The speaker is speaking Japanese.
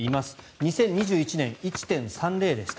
２０２１年、１．３０でした。